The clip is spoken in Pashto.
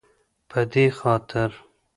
په دې خاطر